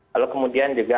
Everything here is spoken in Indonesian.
lalu kemudian juga